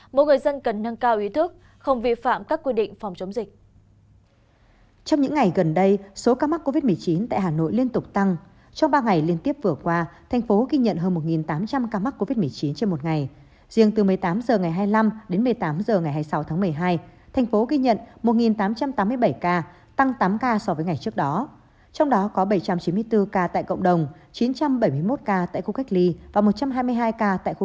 mỗi người dân cần nâng cao ý thức không vi phạm các quy định phòng chống dịch